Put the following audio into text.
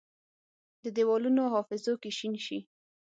د دیوالونو حافظو کې شین شي،